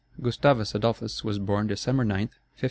Gustavus Adolphus was born December 9, 1594.